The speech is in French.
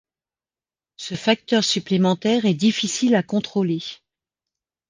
Ce facteur supplémentaire est difficile à contrôler.